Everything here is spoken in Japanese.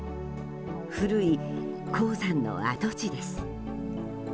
古い鉱山の跡地です。